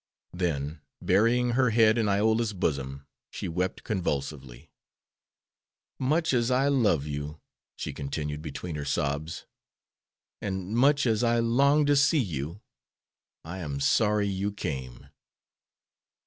Then, burying her head in Iola's bosom, she wept convulsively. "Much as I love you," she continued, between her sobs, "and much as I longed to see you, I am sorry you came."